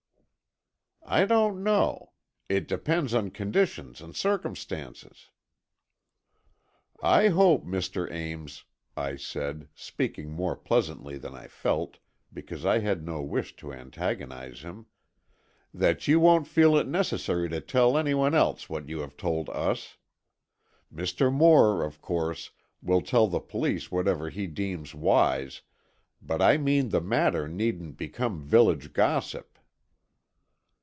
"I don't know. It depends on conditions and circumstances." "I hope, Mr. Ames," I said, speaking more pleasantly than I felt, because I had no wish to antagonize him, "that you won't feel it necessary to tell any one else what you have told us. Mr. Moore, of course, will tell the police whatever he deems wise, but I mean the matter needn't become village gossip."